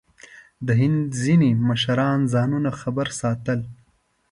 د هند ځینې مشران ځانونه خبر ساتل.